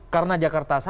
karena jakarta sama juga